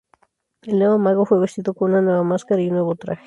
El nuevo mago fue vestido con una nueva máscara y un nuevo traje.